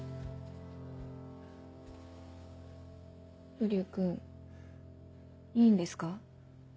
瓜生君いいんですか？